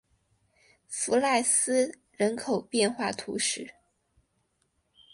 弗赖斯人口变化图示